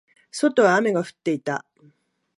外は雨が降っていた。